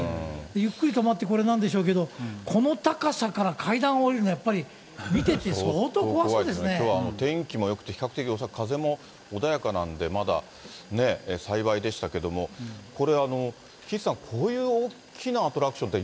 ゆっくり止まってこれなんでしょうけどこの高さから階段を下りるきょうはお天気もよくて、比較的風も穏やかなんでまだ、幸いでしたけども、これ、岸さん、こういう大きなアトラクションって、